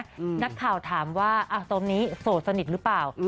นักข่าวถามว่าตอนนี้โสดสนิทหรือเปล่า